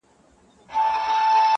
خلک وه ډېر وه په عذاب له کفن کښه!!